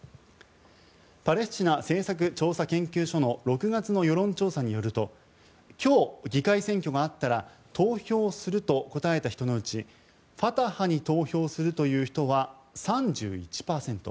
パレスチナ政策調査研究所の６月の世論調査によると今日、議会選挙があったら投票すると答えた人のうちファタハに投票するという人は３１％。